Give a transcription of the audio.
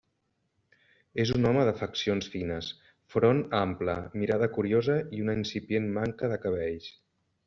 És un home de faccions fines, front ample, mirada curiosa i una incipient manca de cabells.